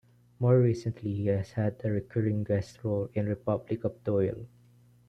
More recently, he has had a recurring guest role in "Republic of Doyle".